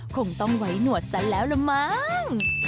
คงต้องไว้หนวดซะแล้วละมั้ง